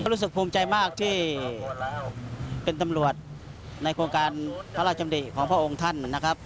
รู้สึกภูมิใจมากที่เป็นตำรวจในโครงการพระราชดำริของพระองค์ท่านนะครับ